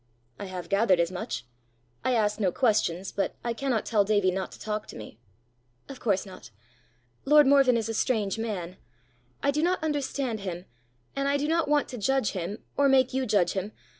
"I have gathered as much: I ask no questions, but I cannot tell Davie not to talk to me!" "Of course not. Lord Morven is a strange man. I do not understand him, and I do not want to judge him, or make you judge him.